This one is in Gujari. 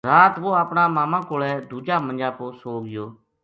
رات وہ اپنا ماما کولے دوجا منجا پو سو گیو